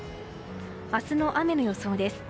明日の雨の予想です。